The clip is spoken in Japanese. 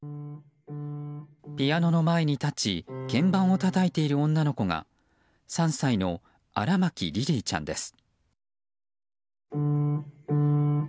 ピアノの前に立ち鍵盤をたたいている女の子が３歳の荒牧リリィちゃんです。